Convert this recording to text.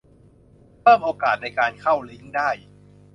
เพิ่มโอกาสในการเข้าลิงก์ได้